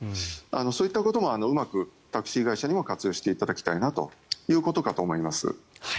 そういったこともうまくタクシー会社にも活用していただきたいなということかと思います。